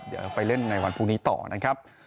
เดี๋ยวไปเล่นในวันพรุ่งนี้ต่อนะครับ